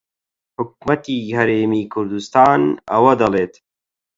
حکوومەتی هەرێمی کوردستان ئەوە دەڵێت